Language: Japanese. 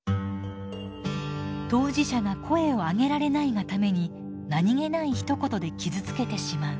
当事者が声をあげられないがために何気ないひと言で傷つけてしまう。